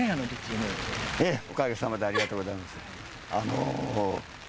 おかげさまでありがとうございます。